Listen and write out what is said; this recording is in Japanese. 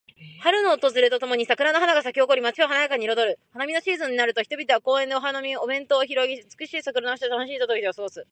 春の訪れとともに桜の花が咲き誇り、街を華やかに彩る。花見のシーズンになると、人々は公園でお弁当を広げ、美しい桜の下で楽しいひとときを過ごす。